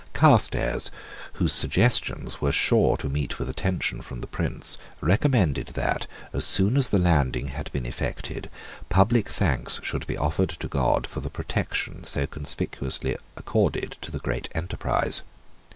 Carstairs, whose suggestions were sure to meet with attention from the Prince, recommended that, as soon as the landing had been effected, public thanks should be offered to God for the protection so conspicuously accorded to the great enterprise.